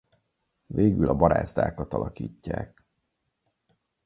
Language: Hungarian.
Végül a barázdákat alakítják.